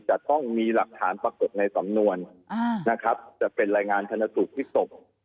จะต้องมีหลักฐานปรากฏในสำนวนนะครับจะเป็นลายงานพิสูจน์